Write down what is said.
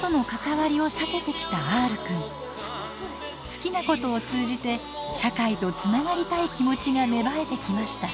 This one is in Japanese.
好きなことを通じて社会とつながりたい気持ちが芽生えてきました。